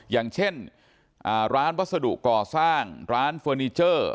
อย่างเช่นร้านวัสดุก่อสร้างร้านเฟอร์นิเจอร์